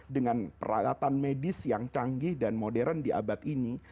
dengan peralatan medis yang canggih dan modern di abad ini